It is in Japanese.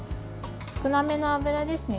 少なめの油ですね。